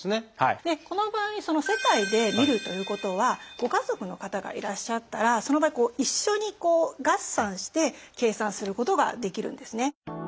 この場合世帯で見るということはご家族の方がいらっしゃったらその場合一緒に合算して計算することができるんですね。